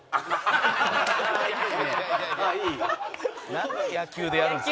なんで野球でやるんですか。